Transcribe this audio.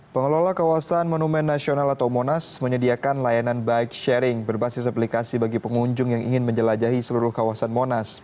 pengelola kawasan monumen nasional atau monas menyediakan layanan bike sharing berbasis aplikasi bagi pengunjung yang ingin menjelajahi seluruh kawasan monas